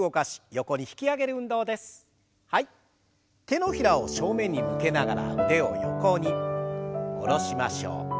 手のひらを正面に向けながら腕を横に下ろしましょう。